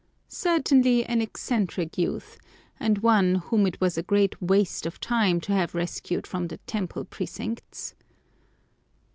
Certainly an eccentric youth, and one whom it was a great waste of time to have rescued from the Temple precincts!